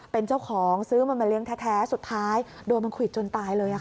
เป็นเจ้าของซื้อมามาเลี้ยงแท้แท้สุดท้ายโดดมันขุดจนตายเลยอ่ะค่ะ